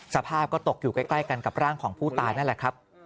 สภาพก็ตกอยู่ใกล้กันกับร่างของผู้ตายนั่นแหละครับ